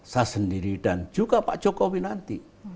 saya sendiri dan juga pak jokowi nanti